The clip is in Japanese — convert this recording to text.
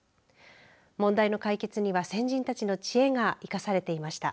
問題の解決には先人たちの知恵が生かされていました。